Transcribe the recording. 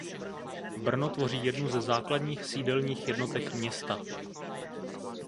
Brno tvoří jednu ze základních sídelních jednotek města.